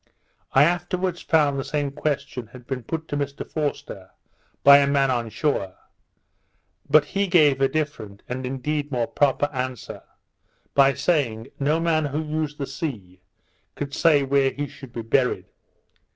I afterwards found the same question had been put to Mr Forster by a man on shore; but he gave a different, and indeed more proper answer, by saying, no man, who used the sea, could say where he should be buried.